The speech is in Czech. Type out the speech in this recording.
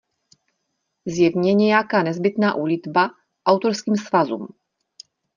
Zjevně nějaká nezbytná úlitba autorským svazům...